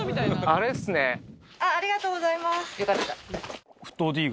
ありがとうございます。